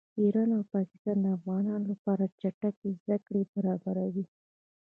ایران او پاکستان د افغانانو لپاره چټکې زده کړې برابروي